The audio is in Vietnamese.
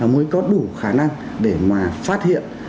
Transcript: mới có đủ khả năng để mà phát hiện